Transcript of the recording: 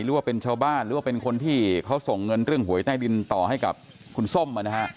หรือว่าเป็นชาวบ้านหรือว่าเป็นคนที่เขาส่งเงินเรื่องหวยใต้ดินต่อให้กับคุณส้มนะฮะ